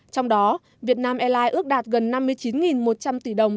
trong đó vietnam airlines ước đạt gần năm mươi chín tỷ đồng